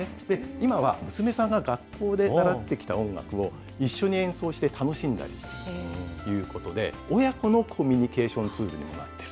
今は娘さんが学校で習ってきた音楽を一緒に演奏して楽しんだりということで、親子のコミュニケーションツールにもなっている。